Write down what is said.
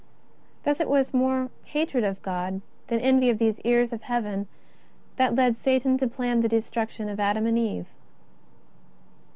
Thus it was more hatred of God than envy of these heirs of Heaven that led Satan to plan the destruction of Adam and Eve.